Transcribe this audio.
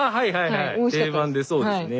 定番でそうですね。